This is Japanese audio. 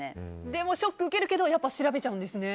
でもショック受けるけど調べちゃうんですね？